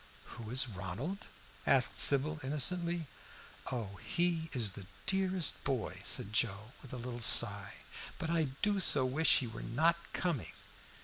"Who is Ronald?" asked Sybil innocently. "Oh, he is the dearest boy," said Joe, with a little sigh, "but I do so wish he were not coming!"